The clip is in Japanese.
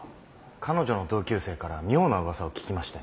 彼女の同級生から妙な噂を聞きましてね。